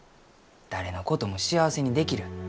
誰のことも幸せにできる。